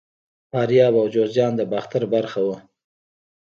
فاریاب او جوزجان د باختر برخه وو